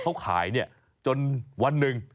เขาขายจนวันหนึ่ง